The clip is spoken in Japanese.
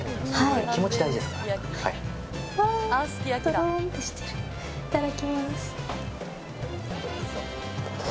いただきます。